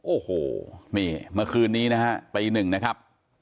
โอ้โหนี่เมื่อคืนนี้นะฮะตีหนึ่งนะครับ